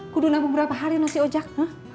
kudu nabung berapa hari no si ojek